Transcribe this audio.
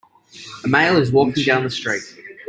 A male is walking down the street.